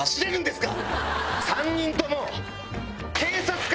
３人とも。